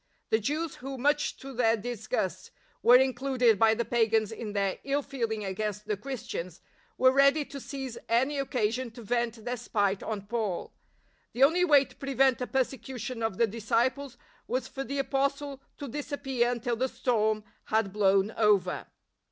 The Jews who, much to their disgust, were included by the pagans in their ill feeling against the Christians, were ready to seize any occasion to vent their spite on Paul. The only way to prevent a persecution of the disciples was for the Apostle to disappear until the storm had blown over.